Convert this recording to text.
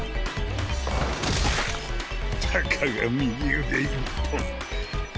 たかが右腕１本。